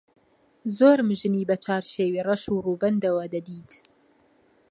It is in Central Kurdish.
زۆرم ژنی بە چارشێوی ڕەش و ڕووبەندەوە دەدیت